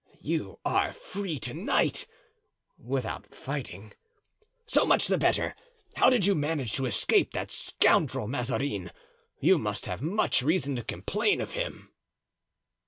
You are free to night, without fighting; so much the better! How did you manage to escape that scoundrel Mazarin? You must have much reason to complain of him."